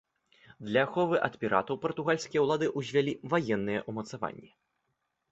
Для аховы ад піратаў партугальскія ўлады ўзвялі ваенныя ўмацаванні.